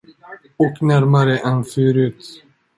Och närmare än förut.